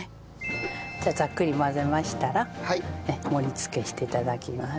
じゃあざっくり混ぜましたら盛り付けして頂きます。